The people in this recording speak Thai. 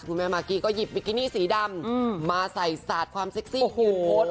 คุณแม่มากี้ก็หยิบบิกินี่สีดำมาใส่สัดความเซ็กซี่เพลินโพสต์